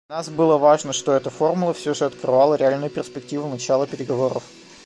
Для нас было важно, что эта формула все же открывала реальную перспективу начала переговоров.